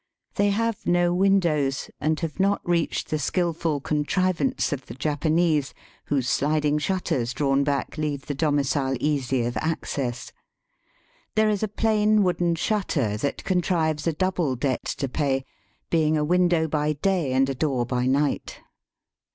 They have no windows, and have not reached the skilful contrivance of the Japanese, whose sliding shutters drawn back leave the domicile easy of access. There is a plain wooden shutter that contrives a double debt to pay, being a window by day and a door by night.